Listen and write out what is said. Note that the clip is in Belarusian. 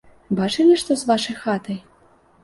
Бачылі, што з вашай хатай?